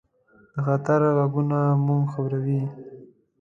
د خطر غږونه موږ خبروي.